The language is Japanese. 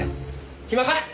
暇か？